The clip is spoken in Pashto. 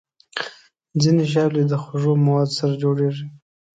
ځینې ژاولې د خوږو موادو سره جوړېږي.